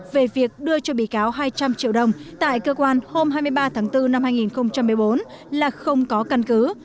về việc đưa cho bị cáo hai trăm linh triệu đồng tại cơ quan hôm hai mươi ba tháng bốn năm hai nghìn một mươi bốn là không có căn cứ